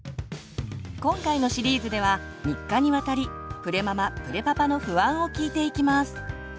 今回のシリーズでは３日にわたりプレママ・プレパパの不安を聞いていきます。